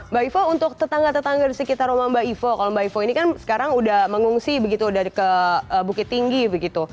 mbak ivo untuk tetangga tetangga di sekitar rumah mbak ivo kalau mbak ivo ini kan sekarang udah mengungsi begitu dari ke bukit tinggi begitu